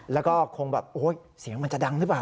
แล้วก็คงแบบโอ๊ยเสียงมันจะดังหรือเปล่า